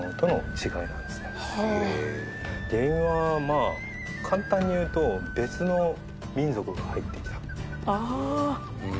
坂上さん：原因は、簡単に言うと別の民族が入ってきた。